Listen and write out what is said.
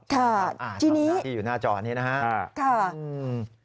ค่ะชีวิตนี้ทำหน้าที่อยู่หน้าจอนี้นะครับ